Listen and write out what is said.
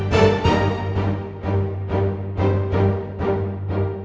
sudah sudah selesai